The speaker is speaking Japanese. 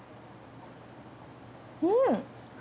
うん！